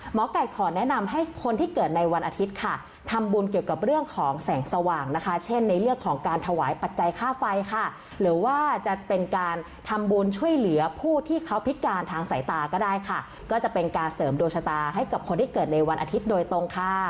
หมอไก่ขอแนะนำให้คนที่เกิดในวันอาทิตย์ค่ะทำบุญเกี่ยวกับเรื่องของแสงสว่างนะคะเช่นในเรื่องของการถวายปัจจัยค่าไฟค่ะหรือว่าจะเป็นการทำบุญช่วยเหลือผู้ที่เขาพิการทางสายตาก็ได้ค่ะก็จะเป็นการเสริมดวงชะตาให้กับคนที่เกิดในวันอาทิตย์โดยตรงค่ะ